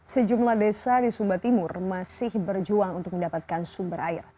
sejumlah desa di sumba timur masih berjuang untuk mendapatkan sumber air